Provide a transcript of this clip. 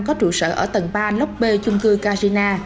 có trụ sở ở tầng ba lốc b chung cư karjina